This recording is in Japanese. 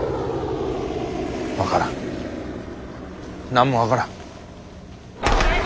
分からん何も分からん。